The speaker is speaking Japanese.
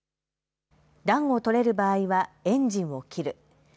暖を取れる場合はエンジンを切る。